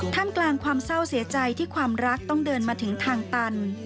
กลางความเศร้าเสียใจที่ความรักต้องเดินมาถึงทางตัน